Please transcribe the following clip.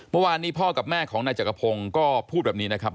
เมื่อวานนี้พ่อกับแม่ของนายจักรพงศ์ก็พูดแบบนี้นะครับ